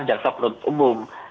jaksa penuntut umum